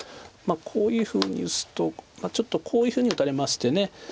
こういうふうに打つとちょっとこういうふうに打たれまして。